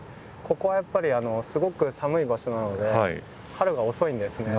ここはやっぱりすごく寒い場所なので春が遅いんですね。